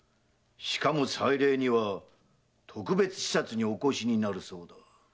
しかも祭礼には特別視察にお越しになるそうだ。